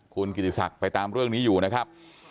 คุณกิติศักดิ์ไปตามเรื่องนี้อยู่นะครับ